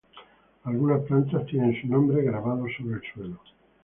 Algunas plantas tienen sus nombres grabados sobre el suelo.